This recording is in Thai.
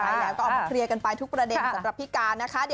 ใช่แล้วก็เอามาเคลียร์กันไปทุกประเด็นสำหรับพี่การนะคะ